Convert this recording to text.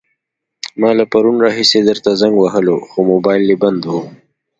ما له پرون راهيسې درته زنګ وهلو، خو موبايل دې بند وو.